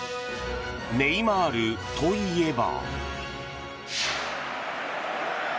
ネイマールといえば。